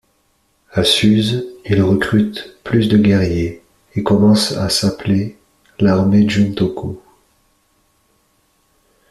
À Suse, ils recrutent plus de guerriers et commencent à s'appeler l'Armée Juntoku.